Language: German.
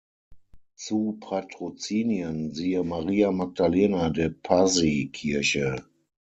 Zu Patrozinien siehe Maria-Magdalena-de-Pazzi-Kirche